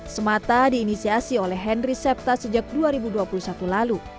semata diinisiasi oleh henry septa sejak dua ribu dua puluh satu lalu